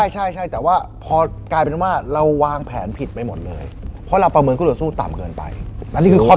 ใช่แต่ว่าพอกลายเป็นว่าเราวางแผนผิดไปหมดเลยเพราะเราประเมินคู่ต่อสู้ต่ำเกินไปอันนี้คือข้อ